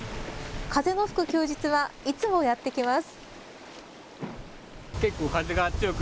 風の吹く休日はいつもやって来ます。